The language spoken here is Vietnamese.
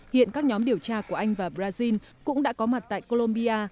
hiện các nhóm điều tra của anh và brazil cũng đã có mặt tại colombia